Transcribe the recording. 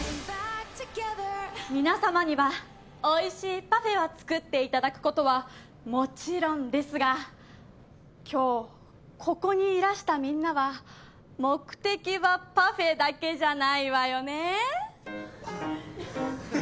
みなさまには美味しいパフェを作って頂くことはもちろんですが今日ここにいらしたみんなは目的はパフェだけじゃないわよね。